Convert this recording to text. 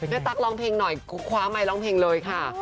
ตั๊กร้องเพลงหน่อยคว้าไมค์ร้องเพลงเลยค่ะ